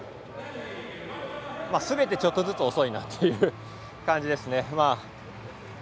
すべて、ちょっとずつ遅いなって感じです。